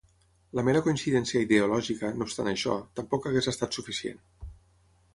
La mera coincidència ideològica, no obstant això, tampoc hagués estat suficient.